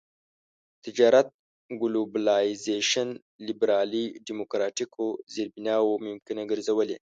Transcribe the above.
تجارت ګلوبلایزېشن لېبرالي ډيموکراټيکو زېربناوو ممکنه ګرځولي.